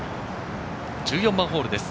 １４番ホールです。